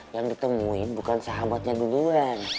yang ditemui bukan sahabatnya duluan